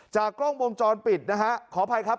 กล้องวงจรปิดนะฮะขออภัยครับ